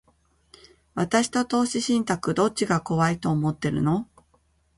私と投資信託、どっちが怖いと思ってるの？